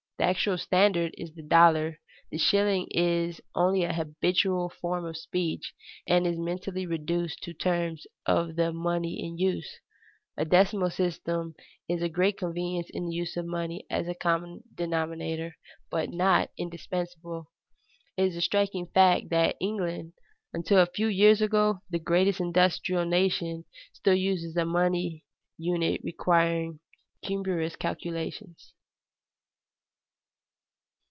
The actual standard is the dollar; the shilling is only a habitual form of speech and is mentally reduced to terms of the money in use. A decimal system is a great convenience in the use of money as a common denominator, but not indispensable. It is a striking fact that England, until a few years ago the greatest industrial nation, still uses a money unit requiring cumbrous calculations.